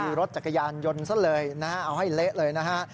คือรถจักรยานยนต์ซะเลยนะฮะเอาให้เละเลยนะฮะ